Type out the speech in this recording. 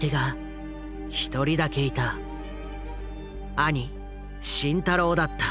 兄慎太郎だった。